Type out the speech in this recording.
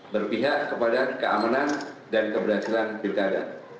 berpihak kepada keamanan dan keberhasilan pilkada